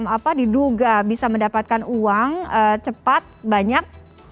apa diduga bisa mendapatkan uang cepat banyak